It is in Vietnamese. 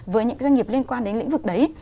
với những doanh nghiệp liên quan đến lĩnh vực đấy